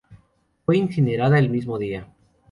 Fue incinerada el mismo día.